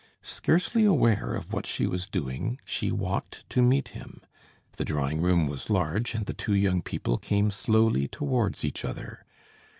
Scarcely aware of what she was doing, she walked to meet him; the drawing room was large, and the two young people came slowly towards each other.